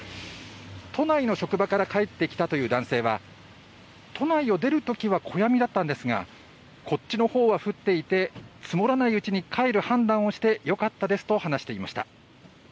都内の職場から帰ってきたという男性は都内を出るときは小やみだったんですがこっちのほうは降っていて積もらないうちに帰る判断をしてよかったですと話していました。